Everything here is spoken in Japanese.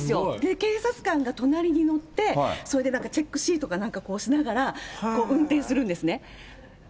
警察官が隣に乗って、それでチェックシートかなんかしながら、運転するんですね。